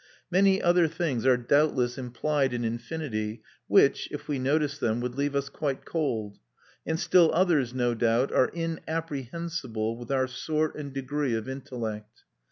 Many other things are doubtless implied in infinity which, if we noticed them, would leave us quite cold; and still others, no doubt, are inapprehensible with our sort and degree of intellect.